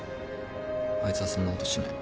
あいつはそんなことしない。